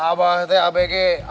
abah neng abegi abah biasa gaul